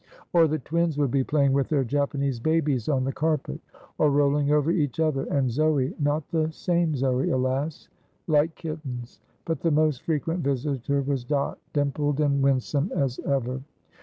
Or the twins would be playing with their Japanese babies on the carpet, or rolling over each other and Zoe (not the same Zoe, alas!) like kittens. But the most frequent visitor was Dot, dimpled and winsome as ever.